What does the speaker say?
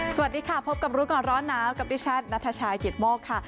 สวัสดีค่ะพบกับรู้ก่อนร้อนหนาวกับดิฉันนัทชายกิตโมกค่ะ